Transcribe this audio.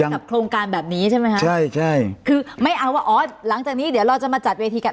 กับโครงการแบบนี้ใช่ไหมคะใช่ใช่คือไม่เอาว่าอ๋อหลังจากนี้เดี๋ยวเราจะมาจัดเวทีกัน